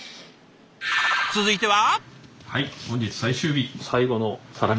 続いては。